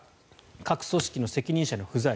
各組織の責任者の不在。